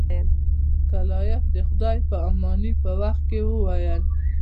کلایف د خدای په امانی په وخت کې وویل.